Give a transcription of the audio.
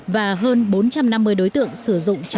và hơn bốn trăm năm mươi đối tượng sử dụng chất ma túy